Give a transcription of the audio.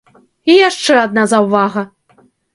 І яшчэ адна заўвага.